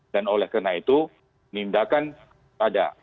dan oleh karena itu nindakan pada